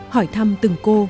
hỏi thăm từng cô